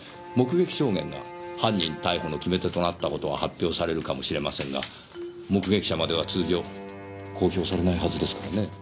目撃証言が犯人逮捕の決め手となった事は発表されるかもしれませんが目撃者までは通常公表されないはずですからね。